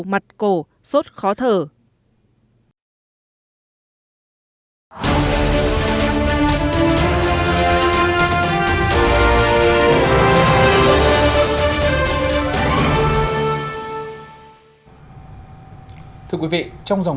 mặt cổ sốt khó thở